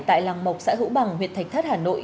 tại làng mộc xã hữu bằng huyện thạch thất hà nội